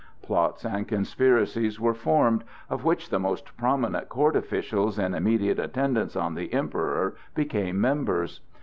Plots and conspiracies were formed, of which the most prominent court officials in immediate attendance on the Emperor became members.